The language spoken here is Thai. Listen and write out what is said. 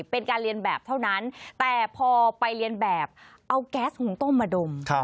เป็นการเรียนแบบเท่านั้นแต่พอไปเรียนแบบเอาแก๊สหุงต้มมาดม